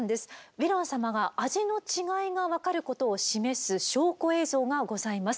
ヴィラン様が味の違いが分かることを示す証拠映像がございます。